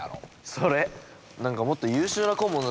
それ。